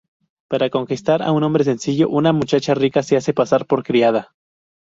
Para conquistar a un hombre sencillo una muchacha rica se hace pasar por criada.